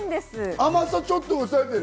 甘さ、ちょっと抑えてる。